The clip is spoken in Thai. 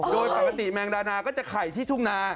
โดยปกติแมงดานาก็จะไข่ที่ทุ่งนา